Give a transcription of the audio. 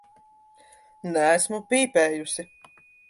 Neesmu pīpējusi.